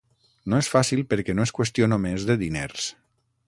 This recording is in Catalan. No és fàcil, perquè no és qüestió només de diners.